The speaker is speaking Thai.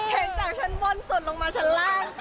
เห็นจากชั้นบนสุดลงมาชั้นล่าง